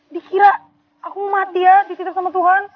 dikira aku mati ya dititip sama tuhan